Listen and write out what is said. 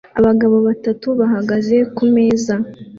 abagabo batatu bahagaze ku meza